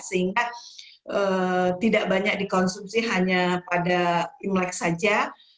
sehingga tidak banyak dikonsumsi hanya pada imlek saja